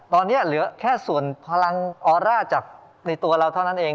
ตอนนี้เหลือแค่ส่วนพลังออร่าจากในตัวเราเท่านั้นเอง